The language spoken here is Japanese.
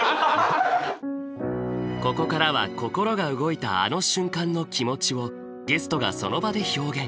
ここからは心が動いたあの瞬間の気持ちをゲストがその場で表現。